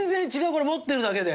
これ持ってるだけで。